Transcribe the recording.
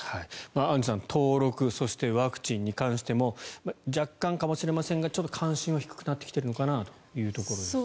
アンジュさん、登録そしてワクチンに関しても若干かもしれませんが関心は低くなってきているのかなというところです。